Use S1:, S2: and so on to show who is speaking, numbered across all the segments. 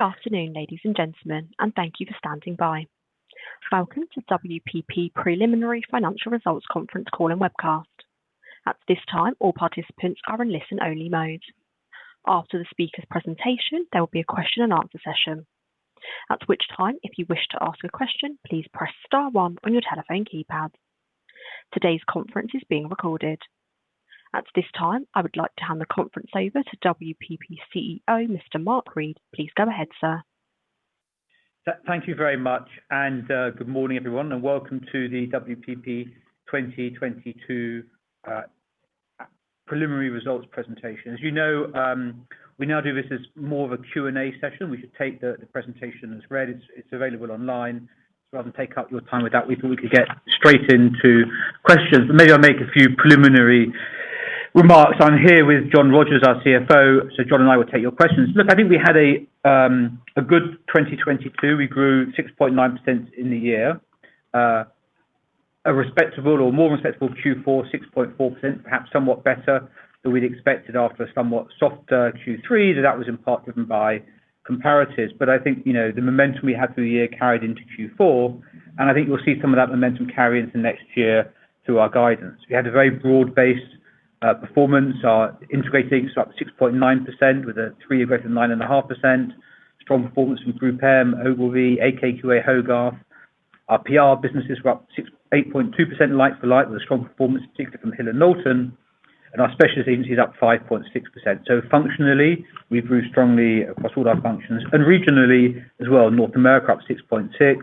S1: Afternoon, ladies and gentlemen, and thank you for standing by. Welcome to WPP Preliminary Financial Results Conference Call and Webcast. At this time, all participants are in listen-only mode. After the speaker's presentation, there will be a question and answer session. At which time, if you wish to ask a question, please press star one on your telephone keypad. Today's conference is being recorded. At this time, I would like to hand the conference over to WPP CEO, Mr. Mark Read. Please go ahead, sir.
S2: Thank you very much, good morning, everyone, and welcome to the WPP 2022 preliminary results presentation. As you know, we now do this as more of a Q&A session. We should take the presentation as read. It's available online. Rather than take up your time with that, we thought we could get straight into questions. Maybe I'll make a few preliminary remarks. I'm here with John Rogers, our CFO. John and I will take your questions. Look, I think we had a good 2022. We grew 6.9% in the year. A respectable or more respectable Q4, 6.4%, perhaps somewhat better than we'd expected after a somewhat softer Q3, that was in part driven by comparatives. I think, you know, the momentum we had through the year carried into Q4, and I think you'll see some of that momentum carry into next year through our guidance. We had a very broad-based performance. Our integrated agencies was up 6.9% with a 3-year CAGR of 9.5%. Strong performance from GroupM, Ogilvy, AKQA, Hogarth. Our PR businesses were up 8.2% like-for-like, with a strong performance, particularly from Hill & Knowlton. Our specialist agencies up 5.6%. Functionally, we've grew strongly across all our functions. Regionally as well, North America up 6.6%,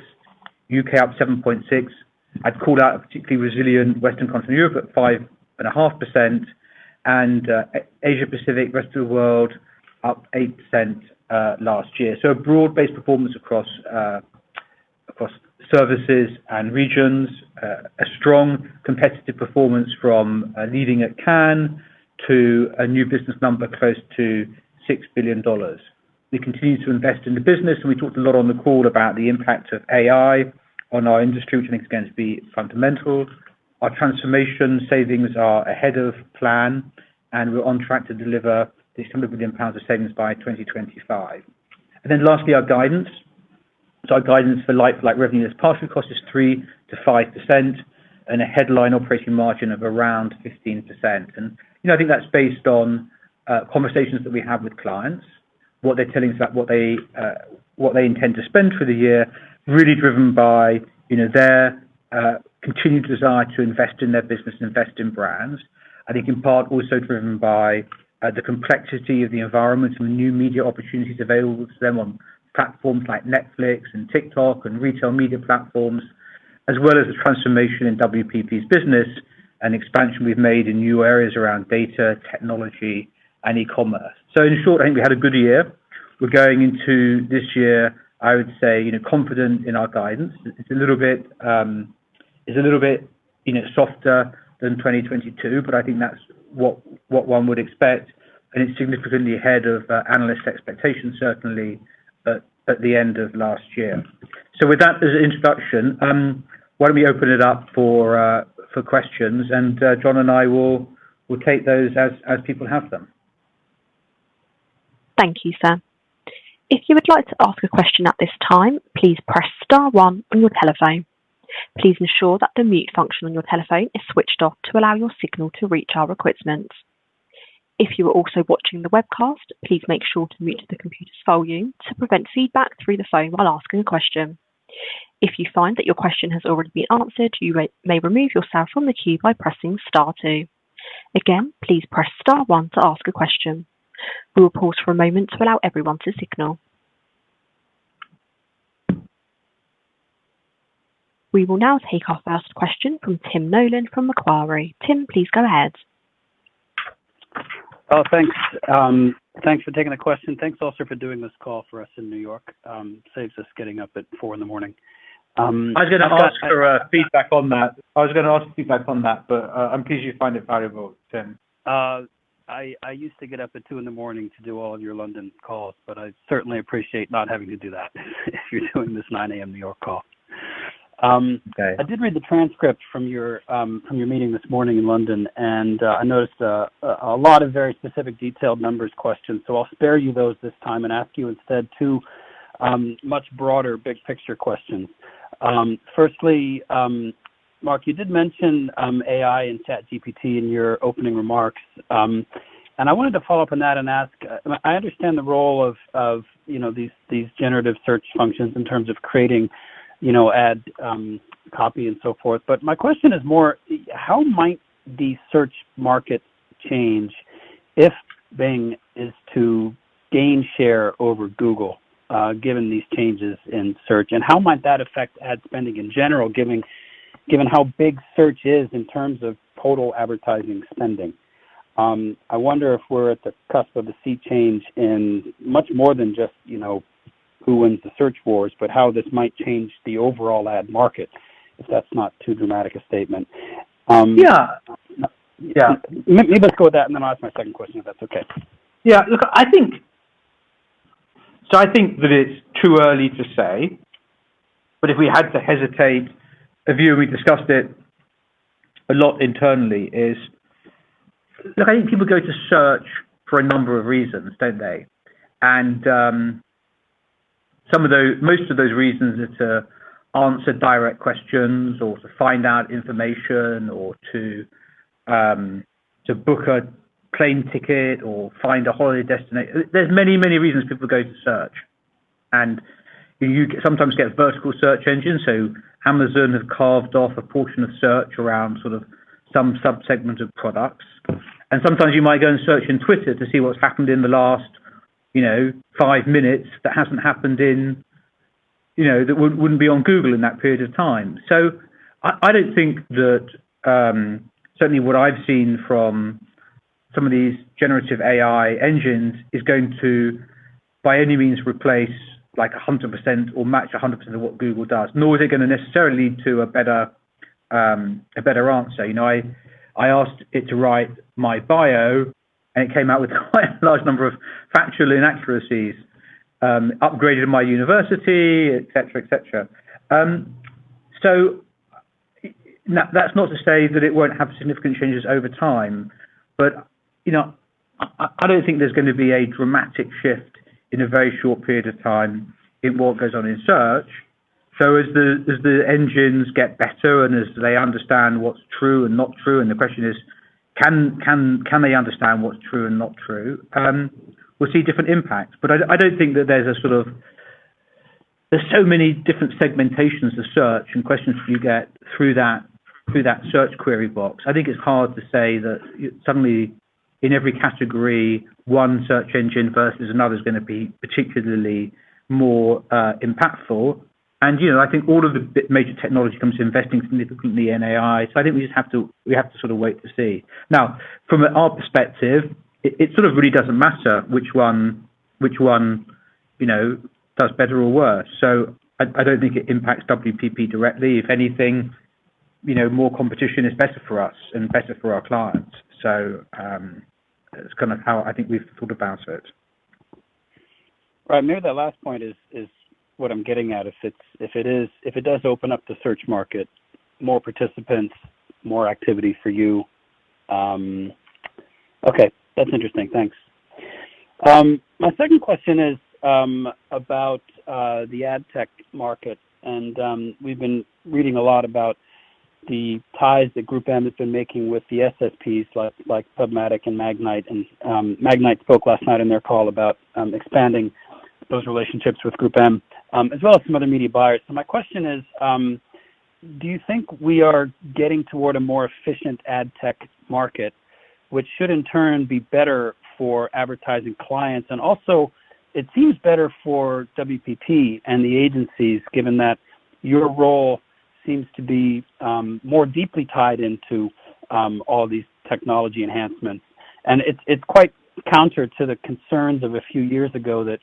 S2: U.K. up 7.6%. I'd call out a particularly resilient Western Continental Europe at 5.5%. Asia Pacific, rest of the world up 8% last year. A broad-based performance across services and regions. A strong competitive performance from leading at Cannes to a new business number close to $6 billion. We continue to invest in the business, and we talked a lot on the call about the impact of AI on our industry, which I think is going to be fundamental. Our transformation savings are ahead of plan, and we're on track to deliver this 100 million pounds of savings by 2025. Lastly, our guidance. Our guidance for like-for-like revenue is passing cost is 3%-5% and a Headline Operating Margin of around 15%. You know, I think that's based on conversations that we have with clients, what they're telling us about what they, what they intend to spend for the year, really driven by, you know, their continued desire to invest in their business and invest in brands. I think in part also driven by the complexity of the environment and new media opportunities available to them on platforms like Netflix and TikTok and retail media platforms, as well as the transformation in WPP's business and expansion we've made in new areas around data, technology, and e-commerce. In short, I think we had a good year. We're going into this year, I would say, you know, confident in our guidance. It's a little bit, you know, softer than 2022, but I think that's what one would expect, and it's significantly ahead of analysts' expectations, certainly at the end of last year. With that as an introduction, why don't we open it up for questions, and John and I will take those as people have them.
S1: Thank you, sir. If you would like to ask a question at this time, please press star one on your telephone. Please ensure that the mute function on your telephone is switched off to allow your signal to reach our equipment. If you are also watching the webcast, please make sure to mute the computer's volume to prevent feedback through the phone while asking a question. If you find that your question has already been answered, you may remove yourself from the queue by pressing star two. Again, please press star one to ask a question. We'll pause for a moment to allow everyone to signal. We will now take our first question from Tim Nollen from Macquarie. Tim, please go ahead.
S3: Oh, thanks. Thanks for taking the question. Thanks also for doing this call for us in New York. Saves us getting up at 4 in the morning.
S2: I was gonna ask for feedback on that, but I'm pleased you find it valuable, Tim.
S3: I used to get up at two in the morning to do all of your London calls, but I certainly appreciate not having to do that if you're doing this 9:00 A.M. New York call.
S2: Okay.
S3: I did read the transcript from your, from your meeting this morning in London. I noticed a lot of very specific detailed members questions. I'll spare you those this time and ask you instead two much broader big picture questions. Firstly, Mark, you did mention AI and ChatGPT in your opening remarks, and I wanted to follow up on that and ask. I understand the role of, you know, these generative search functions in terms of creating, you know, ad copy and so forth. My question is more, how might the search market change if Bing is to gain share over Google, given these changes in search? How might that affect ad spending in general, given how big search is in terms of total advertising spending? I wonder if we're at the cusp of a sea change in much more than just, you know, who wins the search wars, but how this might change the overall ad market, if that's not too dramatic a statement.
S2: Yeah.
S3: Let me just go with that, and then I'll ask my second question, if that's okay.
S2: Look, I think that it's too early to say, but if we had to hesitate, a view we discussed it a lot internally is. Look, I think people go to search for a number of reasons, don't they? Most of those reasons are to answer direct questions or to find out information or to book a plane ticket or find a holiday destination. There's many reasons people go to search, and you sometimes get a vertical search engine. Amazon have carved off a portion of search around sort of some subsegment of products. Sometimes you might go and search in Twitter to see what's happened in the last, you know, five minutes that wouldn't be on Google in that period of time. I don't think that, certainly what I've seen from some of these generative AI engines is going to, by any means, replace like 100% or match 100% of what Google does, nor is it gonna necessarily lead to a better, a better answer. You know, I asked it to write my bio, and it came out with quite a large number of factual inaccuracies, upgraded my university, et cetera, et cetera. That's not to say that it won't have significant changes over time, but, you know, I don't think there's gonna be a dramatic shift in a very short period of time in what goes on in search. As the engines get better and as they understand what's true and not true, and the question is can they understand what's true and not true, we'll see different impacts. I don't think that there's so many different segmentations of search and questions you get through that search query box. I think it's hard to say that suddenly in every category, one search engine versus another is going to be particularly more impactful. You know, I think all of the major technology comes to investing significantly in AI. I think we just have to sort of wait to see. Now, from our perspective, it sort of really doesn't matter which one, you know, does better or worse. I don't think it impacts WPP directly. If anything, you know, more competition is better for us and better for our clients. That's kind of how I think we've thought about it.
S3: Right. I know that last point is what I'm getting at. If it does open up the search market, more participants, more activity for you. Okay. That's interesting. Thanks. My second question is about the ad tech market, we've been reading a lot about the ties that GroupM has been making with the SSPs like PubMatic and Magnite. Magnite spoke last night in their call about expanding those relationships with GroupM as well as some other media buyers. My question is, do you think we are getting toward a more efficient ad tech market, which should in turn be better for advertising clients? Also it seems better for WPP and the agencies, given that your role seems to be more deeply tied into all these technology enhancements. It's, it's quite counter to the concerns of a few years ago that,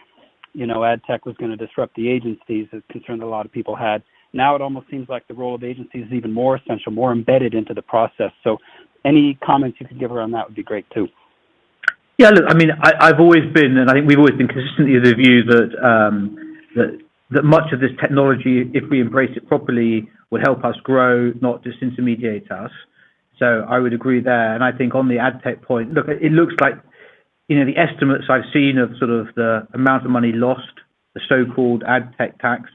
S3: you know, ad tech was gonna disrupt the agencies, is a concern a lot of people had. Now it almost seems like the role of agencies is even more essential, more embedded into the process. Any comments you could give around that would be great too.
S2: Yeah, look, I mean, I've always been, and I think we've always been consistently of the view that much of this technology, if we embrace it properly, will help us grow, not disintermediate us. I would agree there. I think on the ad tech point, look, it looks like, you know, the estimates I've seen of sort of the amount of money lost, the so-called ad tech tax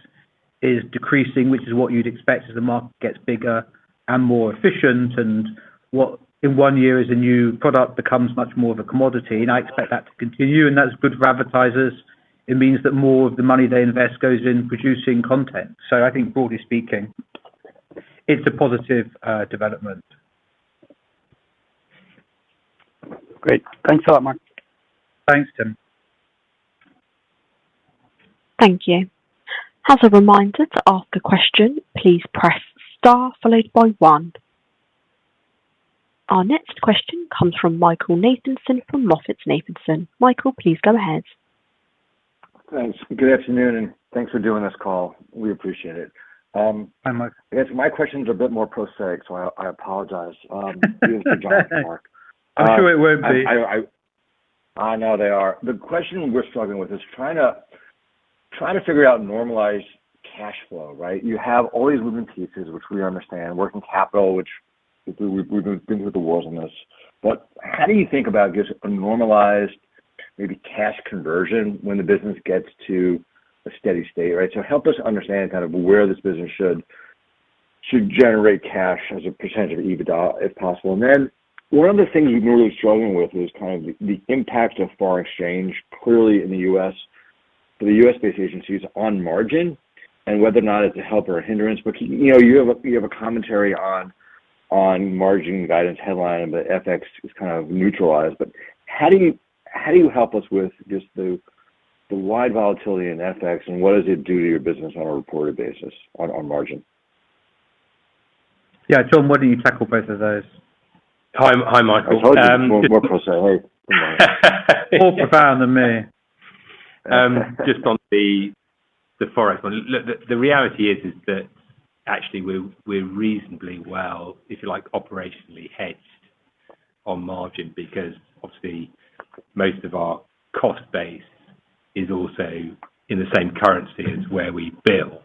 S2: is decreasing, which is what you'd expect as the market gets bigger and more efficient, and what in one year is a new product becomes much more of a commodity. I expect that to continue, and that's good for advertisers. It means that more of the money they invest goes in producing content. I think broadly speaking, it's a positive development.
S3: Great. Thanks a lot, Mark.
S2: Thanks, Tim.
S1: Thank you. As a reminder, to ask a question, please press star followed by one. Our next question comes from Michael Nathanson from MoffettNathanson. Michael, please go ahead.
S4: Thanks. Good afternoon. Thanks for doing this call. We appreciate it.
S2: Hi, Mike.
S4: Yes, my question is a bit more prosaic, so I apologize, dealing with John's work.
S2: I'm sure it won't be.
S4: I know they are. The question we're struggling with is trying to figure out normalized cash flow, right? You have all these moving pieces, which we understand, working capital, which we've been through the wars on this. How do you think about just a normalized maybe cash conversion when the business gets to a steady state, right? Help us understand kind of where this business should generate cash as a percentage of EBITDA, if possible. Then one of the things we've been really struggling with is kind of the impact of foreign exchange clearly in the US, for the US-based agencies on margin and whether or not it's a help or a hindrance. You know, you have a commentary on margin guidance headline, but FX is kind of neutralized. How do you help us with just the wide volatility in FX and what does it do to your business on a reported basis on margin?
S2: Yeah. Tom, why don't you tackle both of those?
S5: Hi. Hi, Michael.
S4: I told you he's more prosaic than mine.
S5: More profound than me. Just on the Forex one. The reality is that actually we're reasonably well, if you like, operationally hedged on margin because obviously most of our cost base is also in the same currency as where we bill.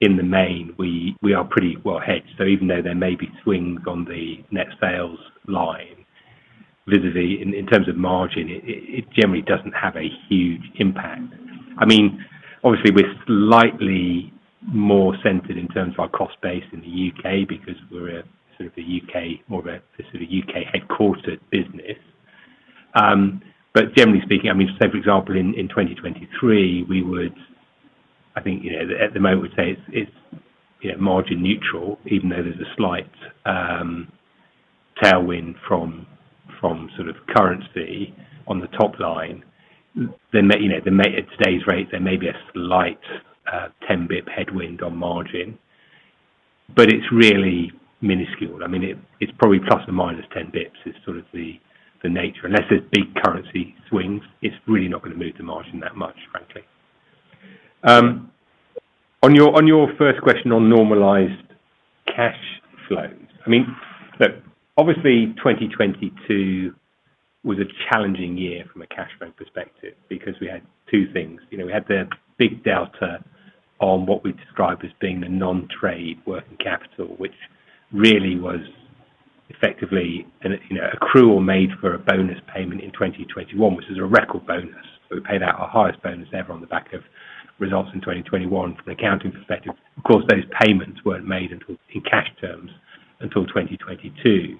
S5: In the main, we are pretty well hedged. Even though there may be swings on the net sales line, visibly in terms of margin, it generally doesn't have a huge impact. Obviously, we're slightly more centered in terms of our cost base in the U.K. because we're more of a sort of U.K.-headquartered business. Generally speaking, I mean, say, for example, in 2023, we would, I think, you know, at the moment, we say it's, you know, margin neutral, even though there's a slight tailwind from sort of currency on the top line. You know, at today's rate, there may be a slight 10 BIP headwind on margin, but it's really miniscule. I mean, it's probably plus or minus 10 BPS is sort of the nature. Unless there's big currency swings, it's really not gonna move the margin that much, frankly. On your first question on normalized cash flow, I mean, look, obviously, 2022 was a challenging year from a cash flow perspective because we had two things. You know, we had the big delta on what we described as being the non-trade working capital, which really was effectively an, you know, accrual made for a bonus payment in 2021, which is a record bonus. So we paid out our highest bonus ever on the back of results in 2021 from an accounting perspective. Of course, those payments weren't made until in cash terms until 2022.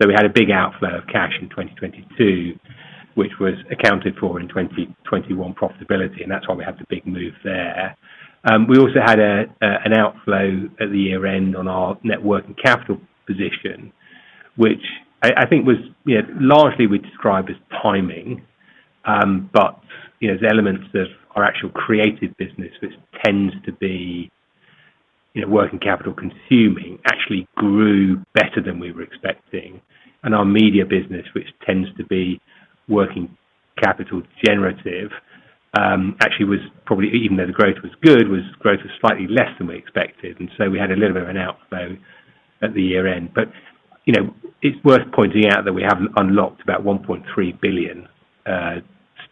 S5: So we had a big outflow of cash in 2022, which was accounted for in 2021 profitability, and that's why we had the big move there. We also had an outflow at the year-end on our net working capital position, which I think was, you know, largely we describe as timing, you know, the elements of our actual creative business, which tends to be, you know, working capital consuming, actually grew better than we were expecting. Our media business, which tends to be working capital generative, actually was probably, even though the growth was good, was slightly less than we expected. We had a little bit of an outflow at the year-end. You know, it's worth pointing out that we have unlocked about 1.3 billion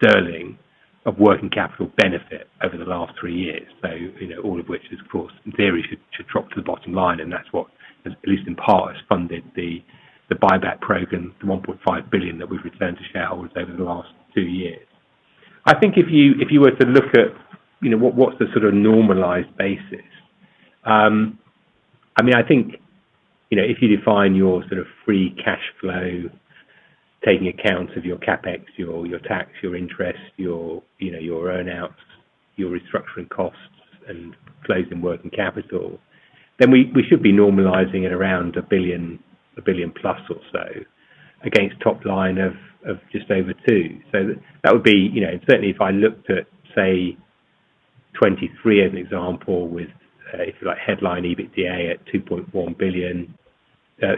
S5: sterling of working capital benefit over the last 3 years. You know, all of which is, of course, in theory, should drop to the bottom line, and that's what, at least in part, has funded the buyback program, the 1.5 billion that we've returned to shareholders over the last two years. I think if you were to look at, you know, what's the sort of normalized basis, I mean, I think, you know, if you define your sort of free cash flow, taking accounts of your CapEx, your tax, your interest, your earn-outs, your restructuring costs and closing working capital, then we should be normalizing at around 1 billion, 1 billion plus or so against top line of just over 2 billion. That would be, you know, certainly if I looked at, say, 2023 as an example with, if you like, headline EBITDA at 2.1 billion,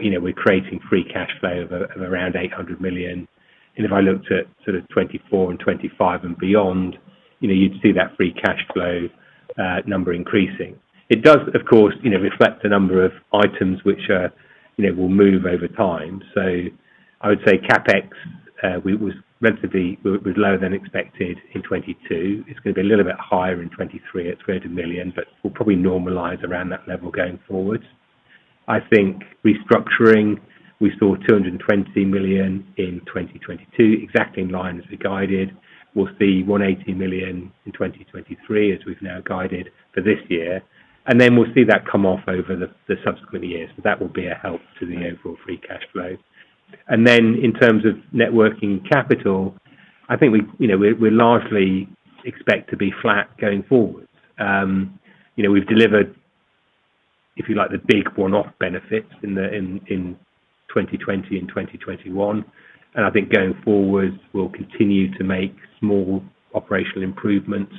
S5: you know, we're creating free cash flow of around 800 million. If I looked at sort of 2024 and 2025 and beyond, you know, you'd see that free cash flow number increasing. It does, of course, you know, reflect a number of items which, you know, will move over time. I would say CapEx was relatively lower than expected in 2022. It's gonna be a little bit higher in 2023 at 200 million, but we'll probably normalize around that level going forward. I think restructuring, we saw 220 million in 2022, exactly in line as we guided. We'll see 180 million in 2023, as we've now guided for this year. We'll see that come off over the subsequent years. That will be a help to the overall free cash flow. In terms of net working capital, I think we, you know, we largely expect to be flat going forward. you know, we've delivered, if you like, the big one-off benefits in 2020 and 2021. I think going forward, we'll continue to make small operational improvements,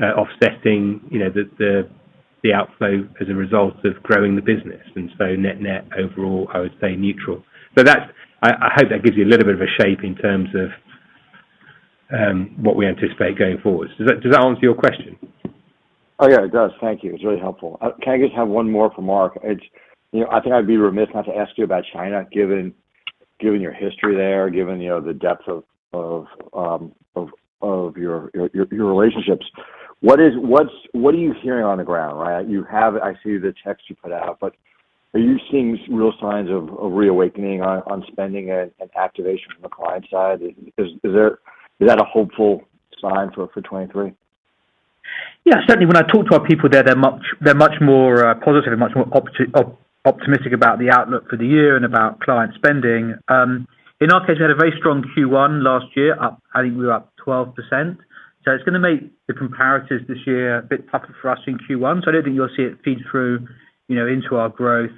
S5: offsetting, you know, the outflow as a result of growing the business. Net-net overall, I would say neutral. I hope that gives you a little bit of a shape in terms of what we anticipate going forward. Does that answer your question?
S4: Oh, yeah, it does. Thank you. It's really helpful. Can I just have one more for Mark? You know, I think I'd be remiss not to ask you about China, given your history there, given, you know, the depth of your relationships. What are you hearing on the ground, right? I see the text you put out, but are you seeing real signs of reawakening on spending and activation from the client side? Is that a hopeful sign for 2023?
S2: Certainly, when I talk to our people there, they're much more positive and much more optimistic about the outlook for the year and about client spending. In our case, we had a very strong Q1 last year, I think we were up 12%. It's gonna make the comparatives this year a bit tougher for us in Q1. I don't think you'll see it feed through, you know, into our growth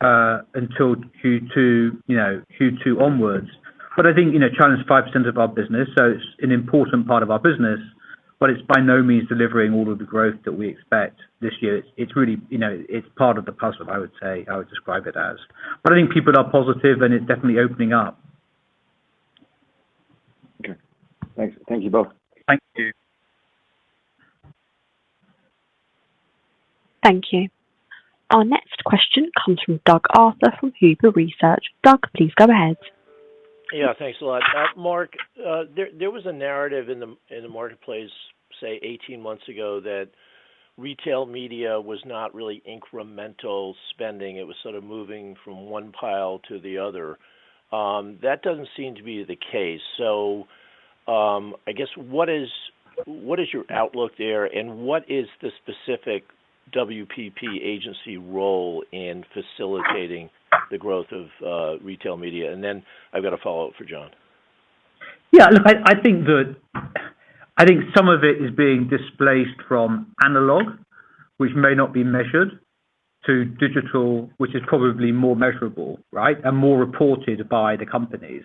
S2: until Q2, you know, Q2 onwards. I think, you know, China is 5% of our business, so it's an important part of our business, but it's by no means delivering all of the growth that we expect this year. It's really, you know, it's part of the puzzle, I would say, I would describe it as. I think people are positive, and it's definitely opening up.
S4: Okay. Thanks. Thank you both.
S5: Thank you.
S3: Thank you.
S1: Our next question comes from Douglas Arthur from Huber Research. Doug, please go ahead.
S6: Thanks a lot. Mark, there was a narrative in the marketplace, say 18 months ago, that retail media was not really incremental spending. It was sort of moving from one pile to the other. That doesn't seem to be the case. I guess what is your outlook there, and what is the specific WPP agency role in facilitating the growth of retail media? I've got a follow-up for John.
S2: Yeah, look, I think I think some of it is being displaced from analog, which may not be measured, to digital, which is probably more measurable, right? More reported by the companies.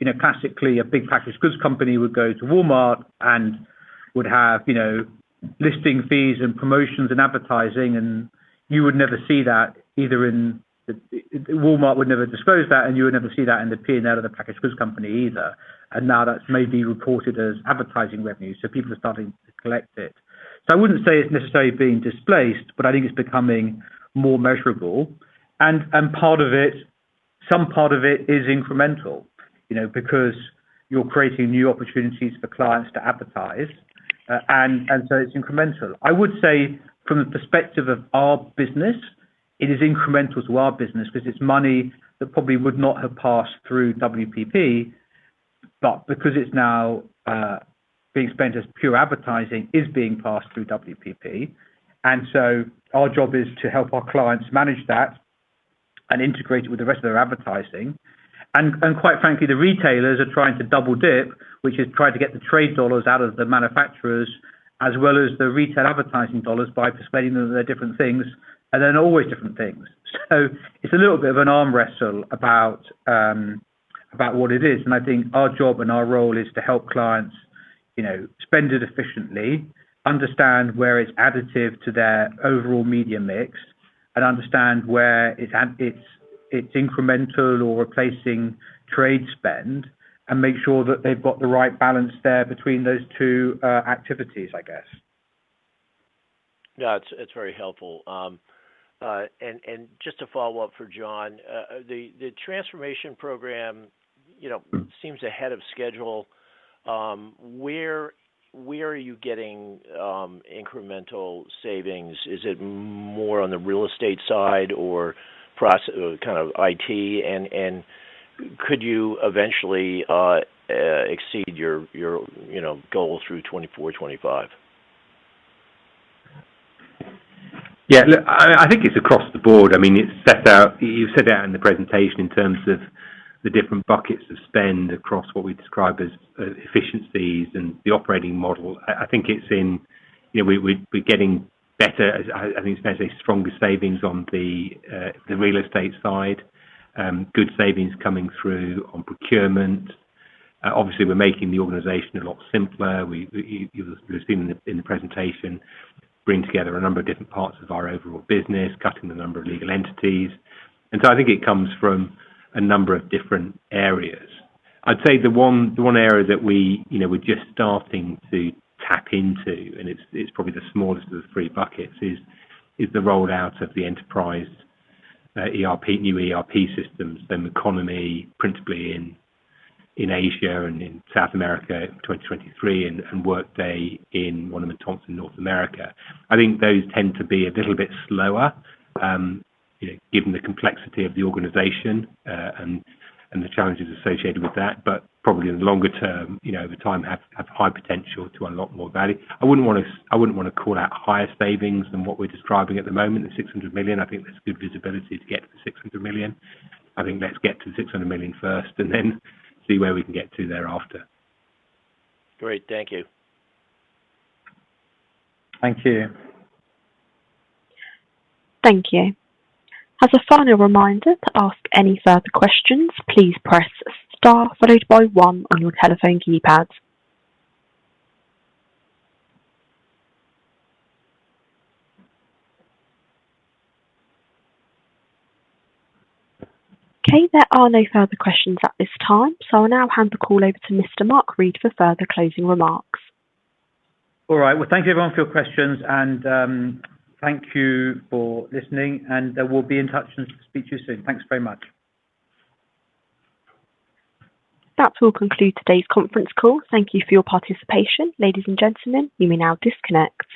S2: You know, classically, a big, packaged goods company would go to Walmart and would have, you know, listing fees and promotions and advertising, and you would never see that either in Walmart would never disclose that, and you would never see that in the P&L of the packaged goods company either. Now that's maybe reported as advertising revenue, so people are starting to collect it. I wouldn't say it's necessarily being displaced, but I think it's becoming more measurable. Part of it, some part of it is incremental, you know, because you're creating new opportunities for clients to advertise. It's incremental. I would say from the perspective of our business, it is incremental to our business because it's money that probably would not have passed through WPP, but because it's now being spent as pure advertising is being passed through WPP. Our job is to help our clients manage that and integrate it with the rest of their advertising. Quite frankly, the retailers are trying to double dip, which is trying to get the trade dollars out of the manufacturers as well as the retail advertising dollars by persuading them, they're different things, and they're always different things. It's a little bit of an arm wrestle about what it is. I think our job and our role is to help clients, you know, spend it efficiently, understand where it's additive to their overall media mix, and understand where it's incremental or replacing trade spend and make sure that they've got the right balance there between those two activities, I guess.
S6: Yeah. It's very helpful. Just a follow-up for John. The transformation program, you know, seems ahead of schedule. Where are you getting incremental savings? Is it more on the real estate side or kind of IT? Could you eventually exceed your, you know, goal through 2024, 2025?
S5: Yeah, look, I think it's across the board. I mean, you set out in the presentation in terms of the different buckets of spend across what we describe as efficiencies and the operating model. You know, we're getting better as I think it's fair to say stronger savings on the real estate side, good savings coming through on procurement. Obviously, we're making the organization a lot simpler. You, you've seen in the, in the presentation, bringing together a number of different parts of our overall business, cutting the number of legal entities. I think it comes from a number of different areas.
S2: I'd say the one area that we, you know, we're just starting to tap into, and it's probably the smallest of the three buckets, is the rollout of the enterprise ERP, new ERP systems, then economy principally in Asia and in South America in 2023 and Workday in Wunderman Thompson North America. I think those tend to be a little bit slower, you know, given the complexity of the organization, and the challenges associated with that. Probably in the longer term, you know, over time have high potential to unlock more value. I wouldn't wanna call out higher savings than what we're describing at the moment, the 600 million. I think there's good visibility to get to the 600 million. I think let's get to the 600 million first and then see where we can get to thereafter.
S6: Great. Thank you.
S2: Thank you.
S1: Thank you. As a final reminder to ask any further questions, please press star followed by one on your telephone keypads. Okay. There are no further questions at this time. I'll now hand the call over to Mr. Mark Read for further closing remarks.
S2: All right. Well, thank you everyone for your questions, and, thank you for listening, and, we'll be in touch and speak to you soon. Thanks very much.
S1: That will conclude today's conference call. Thank you for your participation. Ladies and gentlemen, you may now disconnect.